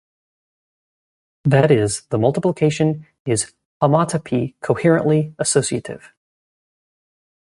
That is, the multiplication is homotopy coherently associative.